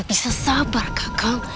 kita sudah minggu